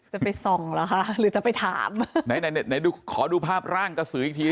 จะไปส่องเหรอคะหรือจะไปถามไหนไหนไหนดูขอดูภาพร่างกระสืออีกที